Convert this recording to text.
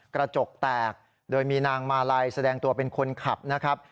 กระจกแตกโดยมีนางมาลัยแสดงตัวเป็นคนขับนะครับ